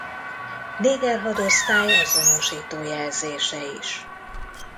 Néger hadosztály azonosító jelzése is.